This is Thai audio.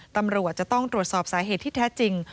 ตำรวจจะต้องตรวจสอบสาเหตุที่แท้จริง